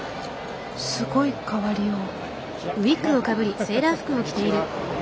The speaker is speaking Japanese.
すごい変わりよう。